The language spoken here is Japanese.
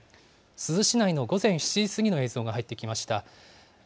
珠洲市内の午前７時過ぎの映像が入ってきました。